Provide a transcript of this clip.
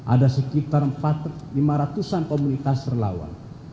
ada sekitar lima ratus an komunitas relawan